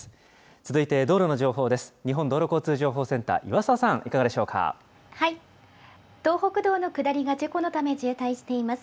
続いて道路の情報です。